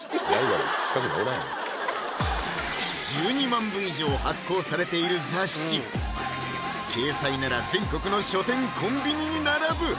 １２万部以上発行されている雑誌掲載なら全国の書店・コンビニに並ぶ！